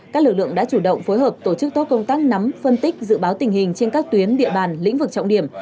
các lực lượng đã chủ động phối hợp tổ chức tốt công tác nắm phân tích dự báo tình hình trên các tuyến địa bàn lĩnh vực trọng điểm